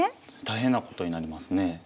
大変なことになりますね。